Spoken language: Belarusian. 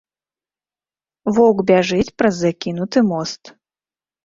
Воўк бяжыць праз закінуты мост.